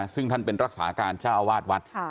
ซึ่งท่านเป็นรักษาการเจ้าอาวาสวัด